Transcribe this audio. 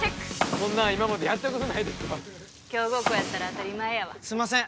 こんなん今までやったことないですわ強豪校やったら当たり前やわすんません